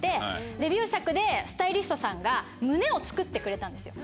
デビュー作でスタイリストさんが胸を作ってくれたんですよ。